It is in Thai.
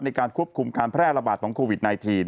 ในการควบคุมการแพร่ระบาดของโควิด๑๙